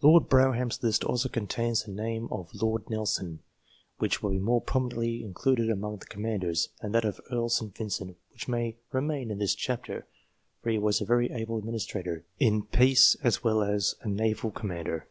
Lord Brougham's list also contains the name of Lord Nelson, which will be more properly included among the Commanders ; and that of Earl St. Vincent, which may remain in this chapter, for he was a very able adminis trator in peace as well as a naval commander.